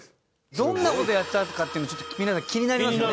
どんな事やったかっていうの皆さん気になりますよね？